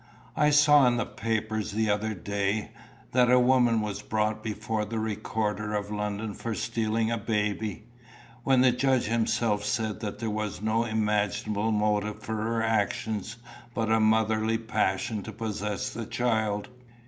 I saw in the papers the other day, that a woman was brought before the Recorder of London for stealing a baby, when the judge himself said that there was no imaginable motive for her action but a motherly passion to possess the child.